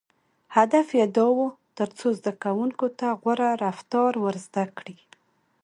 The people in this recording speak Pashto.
• هدف یې دا و، تر څو زدهکوونکو ته غوره رفتار ور زده کړي.